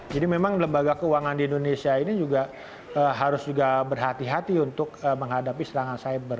jadi memang lembaga keuangan di indonesia ini juga harus berhati hati untuk menghadapi serangan siber